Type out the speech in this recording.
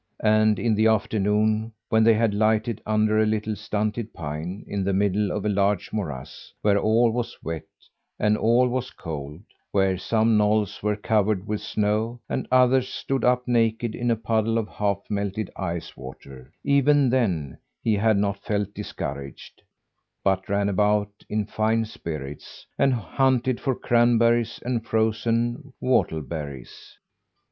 And in the afternoon, when they had lighted under a little stunted pine, in the middle of a large morass, where all was wet, and all was cold; where some knolls were covered with snow, and others stood up naked in a puddle of half melted ice water, even then, he had not felt discouraged, but ran about in fine spirits, and hunted for cranberries and frozen whortleberries.